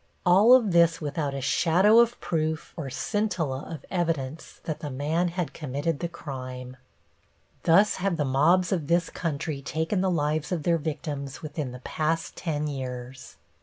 All of this without a shadow of proof or scintilla of evidence that the man had committed the crime. Thus have the mobs of this country taken the lives of their victims within the past ten years.